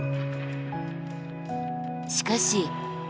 しかし。